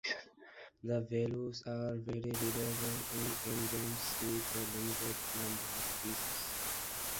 These values are very reliable in endgames with a limited number of pieces.